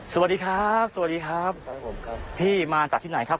สวัสดีครับสวัสดีครับครับผมครับพี่มาจากที่ไหนครับ